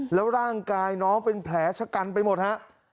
แล้วร่างกายน้องเป็นแผลชะกันไปหมดฮะ